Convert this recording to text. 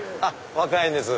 若いんです。